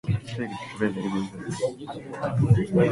她好像快轉身翻到地上了